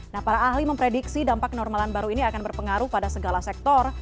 nah para ahli memprediksi dampak kenormalan baru ini akan berpengaruh pada segala sektor